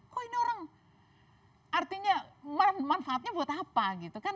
kok ini orang artinya manfaatnya buat apa gitu kan